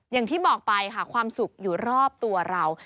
อย่างที่บอกไปค่ะความสุขอยู่รอบตัวเรา